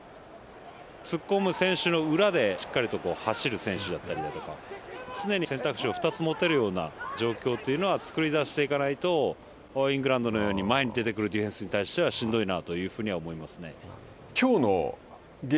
突っ込む選手の裏で、しっかりと走る選手だったりだとか常に選択肢を２つ持てるような状況というのは作り出していかないと、イングランドのように前に出てくるディフェンスに対してはしんどいな。